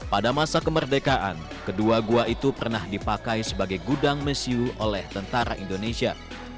pada masa kemerdekaan kedua gua itu pernah dipakai sebagai gudang mesiu oleh tentara indonesia